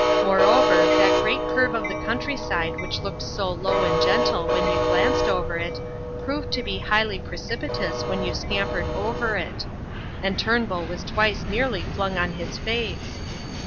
Moreover, that great curve of the countryside which looked so slow and gentle when you glanced over it, proved to be highly precipitous when you scampered over it; and Turnbull was twice nearly flung on his face.